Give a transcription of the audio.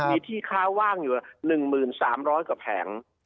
มีที่ค้าว่างอยู่๑๓๐๐กว่าแผง